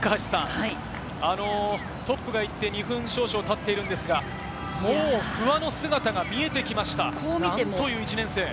トップが行って２分少々たっているんですが、もう不破の姿が見えてきました。